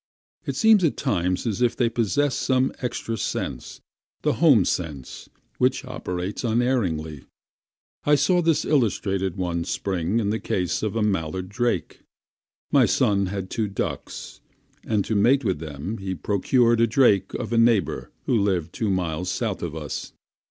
It seems at times as if they possessed some extra sense the home sense which operates unerringly. I saw this illustrated one spring in the case of a mallard drake. My son had two ducks, and to mate with them he procured a drake of a neighbor who lived two miles south of us.